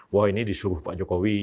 wah ini disuruh pak jokowi